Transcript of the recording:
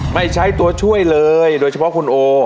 ไม่ใช้ตัวช่วยเลยโดยเฉพาะคุณโอ